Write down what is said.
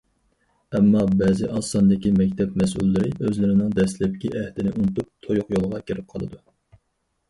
ئەمما، بەزى ئاز ساندىكى مەكتەپ مەسئۇللىرى ئۆزلىرىنىڭ دەسلەپكى ئەھدىنى ئۇنتۇپ، تۇيۇق يولغا كىرىپ قالىدۇ.